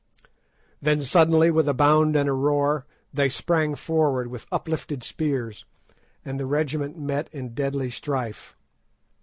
Then suddenly with a bound and a roar, they sprang forward with uplifted spears, and the regiment met in deadly strife.